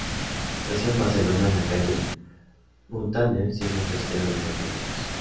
Nació en Barcelona en la calle Muntaner siendo el tercero de cuatro hermanos.